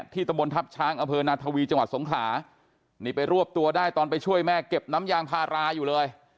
ตะบนทัพช้างอำเภอนาธวีจังหวัดสงขลานี่ไปรวบตัวได้ตอนไปช่วยแม่เก็บน้ำยางพาราอยู่เลย